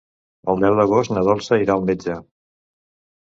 El deu d'agost na Dolça irà al metge.